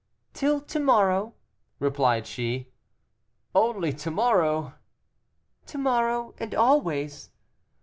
"Till to morrow," replied she. "Only to morrow." "To morrow, and always."